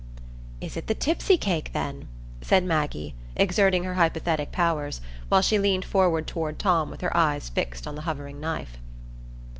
"Is it the tipsy cake, then?" said Maggie, exerting her hypothetic powers, while she leaned forward toward Tom with her eyes fixed on the hovering knife.